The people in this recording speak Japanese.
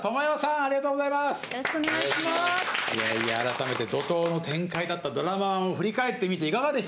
いやいや改めて怒濤の展開だったドラマを振り返ってみていかが？